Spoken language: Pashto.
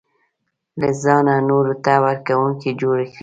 له ځانه نورو ته ورکوونکی جوړ کړي.